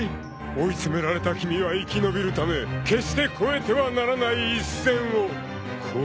［追い詰められた君は生き延びるため決して越えてはならない一線を越えてしまうかも］